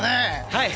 はい。